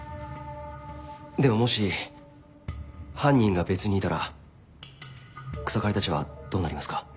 でももし犯人が別にいたら草刈たちはどうなりますか？